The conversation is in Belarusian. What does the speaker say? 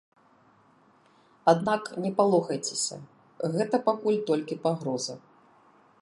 Аднак не палохайцеся, гэта пакуль толькі пагроза.